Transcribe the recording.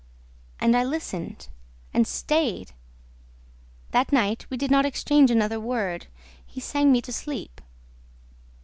And I listened ... and stayed! ... That night, we did not exchange another word. He sang me to sleep.